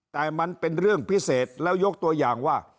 แต่มันเป็นเรื่องพิเศษแล้วยกตัวอย่างว่า